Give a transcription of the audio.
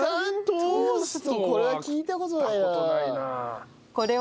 これは聞いた事ないなあ。